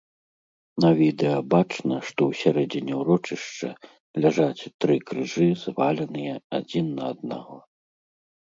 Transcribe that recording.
На відэа бачна, што ў сярэдзіне ўрочышча ляжаць тры крыжы, зваленыя адзін на аднаго.